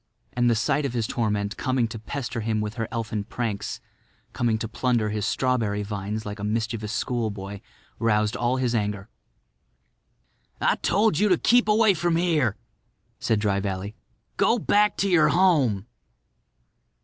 And the sight of his torment coming to pester him with her elfin pranks—coming to plunder his strawberry vines like a mischievous schoolboy—roused all his anger. "I told you to keep away from here," said Dry Valley. "Go back to your home."